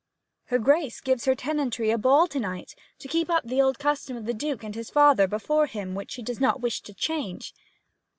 'Her Grace gives her tenantry a ball to night, to keep up the old custom of the Duke and his father before him, which she does not wish to change.'